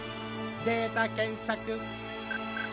データ検索